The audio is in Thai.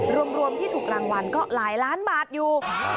รวมที่ถูกรางวัลก็หลายล้านบาทอยู่